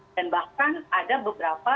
dan bahkan ada beberapa